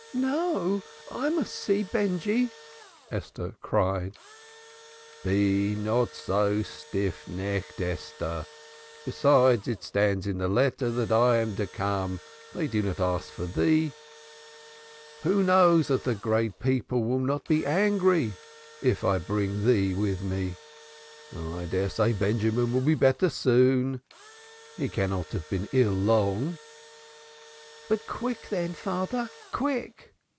"No, I must see Benjy!" Esther cried. "Be not so stiff necked, Esther! Besides, it stands in the letter that I am to come they do not ask thee. Who knows that the great people will not be angry if I bring thee with me? I dare say Benjamin will soon be better. He cannot have been ill long." "But, quick, then, father, quick!"